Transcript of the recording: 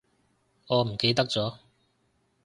我唔記得咗